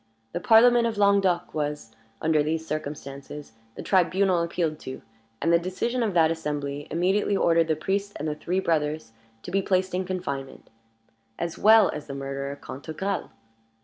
The Parliament of Languedoc was, under these circumstances, the tribunal appealed to; and the decision of that assembly immediately ordered the priest and the three brothers to be placed in confinement, as well as the murderer Cantegrel.